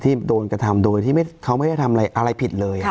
โดนกระทำโดยที่เขาไม่ได้ทำอะไรผิดเลย